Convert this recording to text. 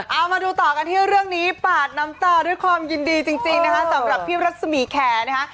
เอามาดูต่อกันที่เรื่องนี้ปาดน้ำตาด้วยความยินดีจริงนะคะสำหรับพี่รัศมีแคร์นะคะ